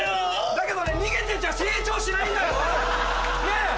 だけどね逃げてちゃ成長しないんだろ！ねぇ！